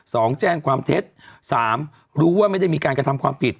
สองแจ้งความเท็จสามรู้ว่าไม่ได้มีการกระทำความผิด